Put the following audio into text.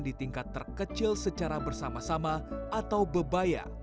di tingkat terkecil secara bersama sama atau bebaya